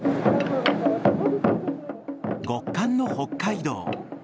極寒の北海道。